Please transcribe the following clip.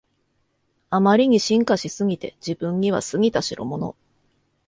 あまりに進化しすぎて自分には過ぎたしろもの